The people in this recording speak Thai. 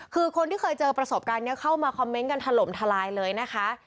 คือคนที่เคยเจอประสบการณ์นี้เข้ามาคอมเมนต์กันถล่มทลายเลยนะคะ